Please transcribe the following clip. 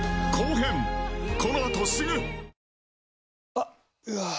あっ、うわー。